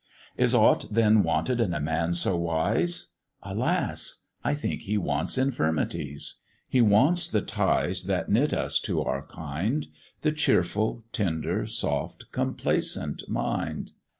"Is aught then wanted in a man so wise?" Alas! I think he wants infirmities; He wants the ties that knit us to our kind The cheerful, tender, soft, complacent mind.